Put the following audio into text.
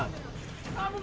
kamu berdua orang dari